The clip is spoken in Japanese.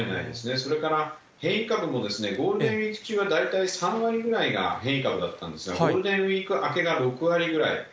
それから変異株も、ゴールデンウィーク中は、大体３割ぐらいが変異株だったんですが、ゴールデンウィーク明けが６割ぐらい。